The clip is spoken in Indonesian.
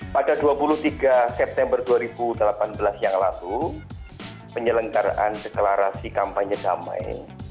pada dua puluh tiga september dua ribu delapan belas yang lalu penyelenggaraan deklarasi kampanye damai